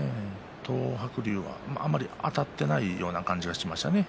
東白龍は、あまりあたってないような感じですね。